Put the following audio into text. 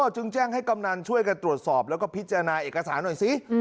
จึงแจ้งให้กำนันช่วยกันตรวจสอบแล้วก็พิจารณาเอกสารหน่อยสิ